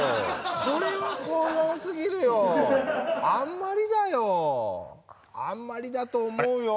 これは小うどんすぎるよあんまりだよあんまりだと思うよ